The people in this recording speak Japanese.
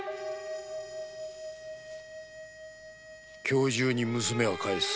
今日中に娘は返す。